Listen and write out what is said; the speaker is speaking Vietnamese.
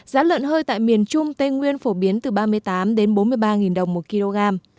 giá lợn hơi tại miền trung tây nguyên phổ biến từ ba mươi tám đến bốn mươi ba đồng một kg